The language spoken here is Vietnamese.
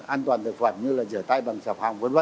an toàn thực phẩm như là rửa tay bằng sạp hàng v v